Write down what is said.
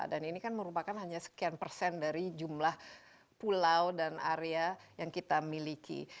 dan ini kan merupakan hanya sekian persen dari jumlah pulau dan area yang kita miliki